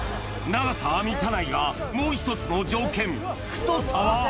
長さは満たないがもう一つの条件太さは？